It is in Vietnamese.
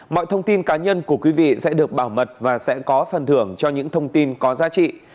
mọi thông tin cá nhân của quý vị sẽ được bảo mật và sẽ có phần thưởng cho những thông tin có giá trị